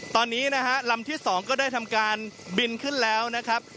ตอนนี้นะฮะลำที่๒ก็ได้ทำการบินขึ้นแล้วนะครับ